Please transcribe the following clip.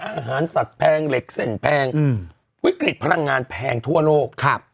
อาหารสัตว์แพงเหล็กเส้นแพงอืมวิกฤตพลังงานแพงทั่วโลกครับ